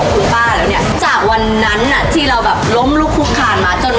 ภูมิใจที่ว่า